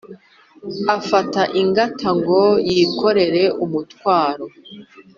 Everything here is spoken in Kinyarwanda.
afata ingata ngo yikorere umutwaro,